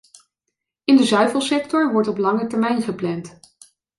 In de zuivelsector wordt op lange termijn gepland.